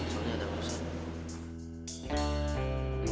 soalnya ada urusan